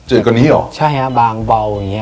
จืดกว่านี้หรอใช่ครับบางเบาอย่างนี้